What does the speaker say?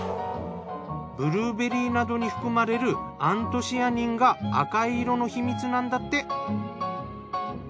ブルーベリーなどに含まれるアントシアニンが赤い色の秘密なんだって。